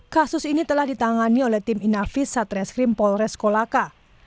kasus ini telah ditangani oleh tim inavis satreskrim polres kolaka